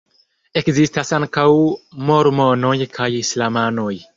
Ekzistas ankaŭ mormonoj kaj islamanoj.